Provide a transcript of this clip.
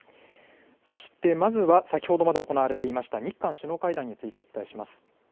そしてまずは先ほどまで行われていました日韓首脳会談についてお伝えします。